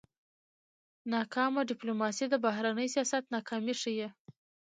ناکامه ډيپلوماسي د بهرني سیاست ناکامي ښيي.